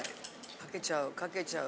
かけちゃうかけちゃう。